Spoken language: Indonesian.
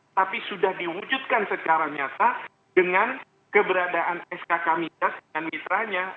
tapi sudah diwujudkan secara nyata dengan keberadaan skk migas dan mitranya